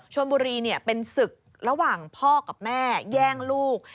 ชนบุรีเป็นศึกระหว่างพ่อกับแม่แย่งลูก